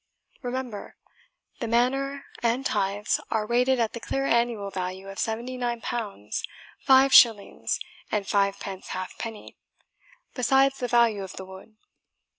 Remember, the manor and tithes are rated at the clear annual value of seventy nine pounds five shillings and fivepence halfpenny, besides the value of the wood.